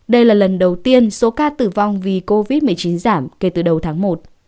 đây là lần đầu tiên số ca tử vong vì covid một mươi chín giảm kể từ đầu tháng một